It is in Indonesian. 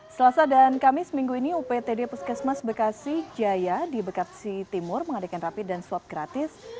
selasa dan kamis minggu ini uptd puskesmas bekasi jaya di bekasi timur mengadakan rapi dan swab gratis